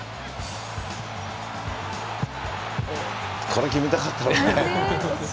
これは決めたかったね。